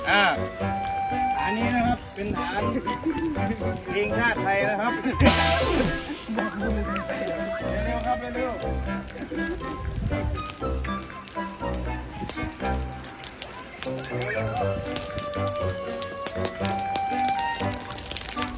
อันนี้นะครับเป็นฐานทีมชาติไทยนะครับ